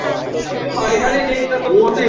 আচ্ছা, সাধারণ প্রবেশ, হাহ?